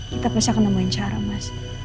kita bisa akan nemuin cara mas